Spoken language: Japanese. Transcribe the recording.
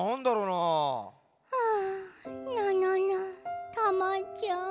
あぁなななタマちゃん。